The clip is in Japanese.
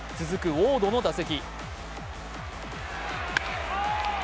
ウォードの打席。